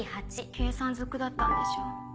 計算ずくだったんでしょ。